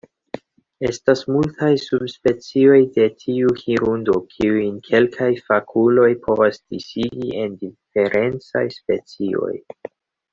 Estas multaj subspecioj de tiu hirundo, kiujn kelkaj fakuloj povas disigi en diferencaj specioj.